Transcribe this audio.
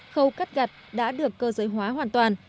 khâu cắt gặt đã được cơ giới hóa hoàn toàn